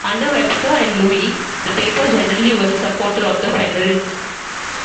Under Webster and Lewis, the paper generally was a supporter of the Federalists.